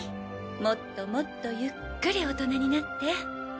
もっともっとゆっくり大人になって。